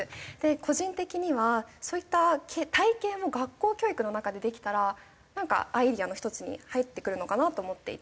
個人的にはそういった体験を学校教育の中でできたらなんかアイデアの一つに入ってくるのかなと思っていて。